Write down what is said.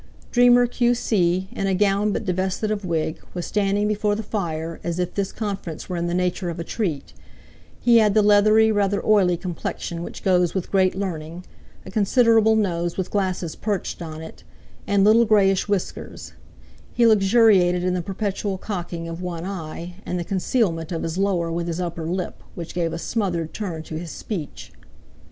Dreamer Q.C., in a gown but divested of wig, was standing before the fire, as if this conference were in the nature of a treat; he had the leathery, rather oily complexion which goes with great learning, a considerable nose with glasses perched on it, and little greyish whiskers; he luxuriated in the perpetual cocking of one eye, and the concealment of his lower with his upper lip, which gave a smothered turn to his speech.